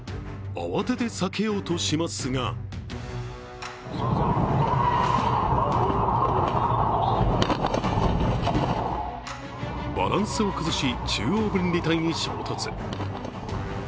慌てて、避けようとしてますがバランスを崩し、中央分離帯に衝突。